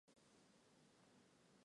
大将柏良器之子。